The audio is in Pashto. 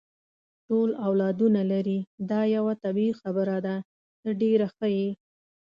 ټول اولادونه لري، دا یوه طبیعي خبره ده، ته ډېره ښه یې.